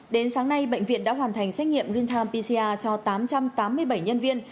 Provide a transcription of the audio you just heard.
đến sáng nay bệnh viện đã hoàn thành xét nghiệm real time pcr cho tám trăm tám mươi bảy nhân viên